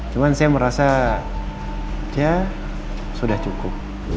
cuma saya merasa dia sudah cukup